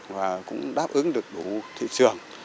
và cũng đáp ứng được đủ thị trường